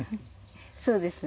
そうですね。